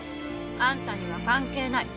あんたには関係ない。